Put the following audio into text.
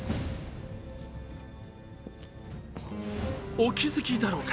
お気づきだろうか。